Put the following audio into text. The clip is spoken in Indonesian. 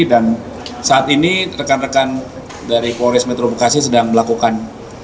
dan saat ini rekan rekan dari kloris metrobukasi sedang melakukan